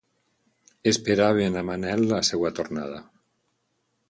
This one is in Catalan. Esperaven amb anhel la seva tornada?